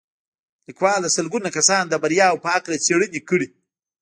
ليکوال د سلګونه کسانو د برياوو په هکله څېړنې کړې.